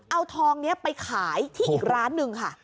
เอาทองนี้ไปขายที่อีกร้านหนึ่งค่ะ